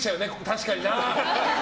確かにな！